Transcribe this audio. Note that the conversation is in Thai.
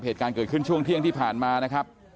เหตุการณ์เกิดขึ้นช่วงเที่ยงที่ผ่านมานะครับ